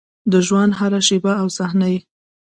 د ژونـد هـره شـيبه او صحـنه يـې